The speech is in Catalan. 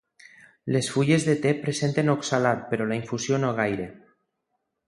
Les fulles de te presenten oxalat però la infusió no gaire.